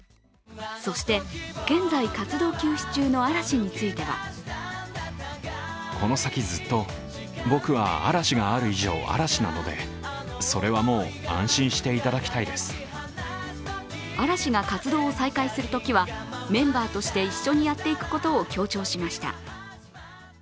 そして現在、活動休止中の嵐については嵐が活動を再開するときはメンバーとして一緒にやっていくことを強調しました。